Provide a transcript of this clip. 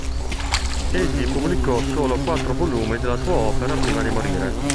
Egli pubblicò solo quattro volumi della sua opera prima di morire.